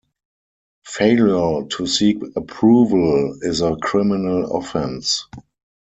Failure to seek approval is a criminal offence.